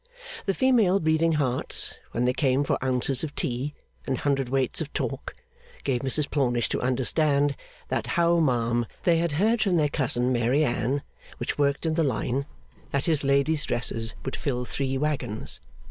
The female Bleeding Hearts, when they came for ounces of tea, and hundredweights of talk, gave Mrs Plornish to understand, That how, ma'am, they had heard from their cousin Mary Anne, which worked in the line, that his lady's dresses would fill three waggons.